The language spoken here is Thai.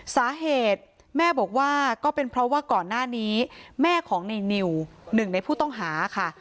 สาเหตุแม่บอกว่าก็เป็นเพราะว่าก่อนหน้านี้แม่ของในนิวหนึ่งในผู้ต้องหาค่ะ